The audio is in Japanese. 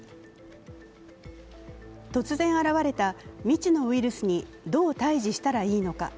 突然現れた未知のウイルスにどう対峙したらいいのか。